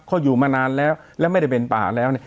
เขาอยู่มานานแล้วแล้วไม่ได้เป็นป่าแล้วเนี่ย